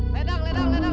ledang ledang ledang